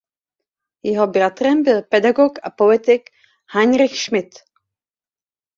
Jeho bratrem byl pedagog a politik Heinrich Schmid.